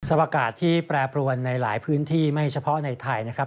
สภาพอากาศที่แปรปรวนในหลายพื้นที่ไม่เฉพาะในไทยนะครับ